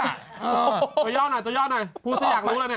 ตัวย่อหน่อยพูดสะหยากรู้เลยน่ะ